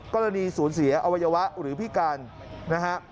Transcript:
กรณีสูญเสียอวัยวะหรือพิการนะฮะ